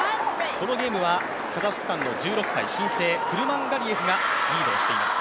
このゲームはカザフスタンの１６歳新星、クルマンガリエフがリードをしています。